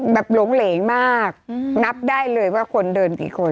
หลงเหลงมากนับได้เลยว่าคนเดินกี่คน